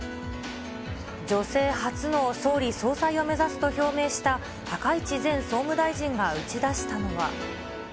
女性初の総理総裁を目指すと表明した高市前総務大臣が打ち出したのは。